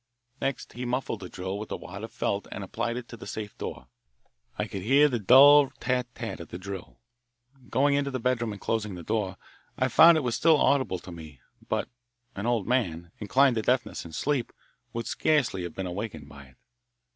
Next he muffed the drill with a wad of felt and applied it to the safe door. I could hear the dull tat tat of the drill. Going into the bedroom and closing the door, I found that it was still audible to me, but an old man, inclined to deafness and asleep, would scarcely have been awakened by it.